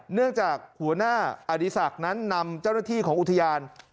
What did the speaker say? เนื่องจากหัวหน้าอดีศักดิ์นั้นนำเจ้าหน้าที่ของอุทยาน